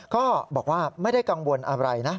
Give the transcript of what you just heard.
ก็บอกว่าไม่ได้กังวลอะไรนะ